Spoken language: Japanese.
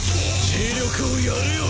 磁力をやるよ。